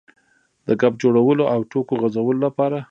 د ګپ جوړولو او ټوکو غځولو لپاره.